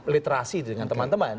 literasi dengan teman teman